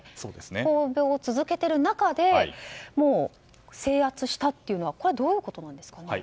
闘病を続けている中で制圧したというのはどういうことなんでしょうか。